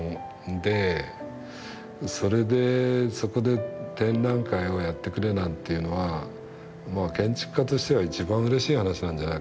でそれでそこで展覧会をやってくれなんていうのは建築家としては一番うれしい話なんじゃないかと思うんですよね。